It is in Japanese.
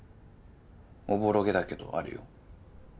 おぼろげだけどあるよ。